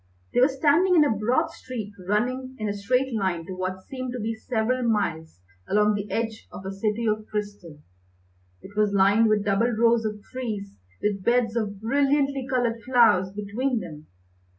They were standing in a broad street running in a straight line to what seemed to be several miles along the edge of a city of crystal. It was lined with double rows of trees with beds of brilliantly coloured flowers between them.